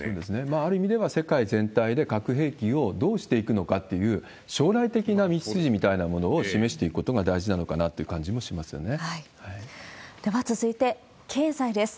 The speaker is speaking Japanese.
ある意味では、世界全体で、核兵器をどうしていくのかっていう、将来的な道筋みたいなものを示していくことが大事なのかなというでは続いて、経済です。